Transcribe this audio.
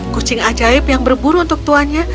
kucing ajaib yang berburu untuk tuanya